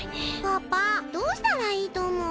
パパどうしたらいいとおもう？